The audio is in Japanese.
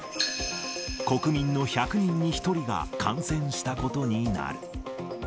国民の１００人に１人が感染したことになる。